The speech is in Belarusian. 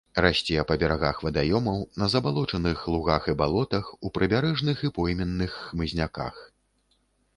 Расце па берагах вадаёмаў, на забалочаных лугах і балотах, у прыбярэжных і пойменных хмызняках.